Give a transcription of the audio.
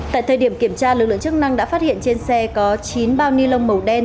tại thời điểm kiểm tra lực lượng chức năng đã phát hiện trên xe có chín bao ni lông màu đen